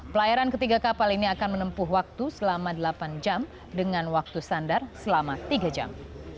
pelayaran ketiga kapal ini akan menempuh waktu selama delapan jam dengan waktu sandar selama tiga jam